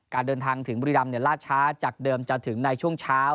เดินทางถึงบุรีรำล่าช้าจากเดิมจะถึงในช่วงเช้า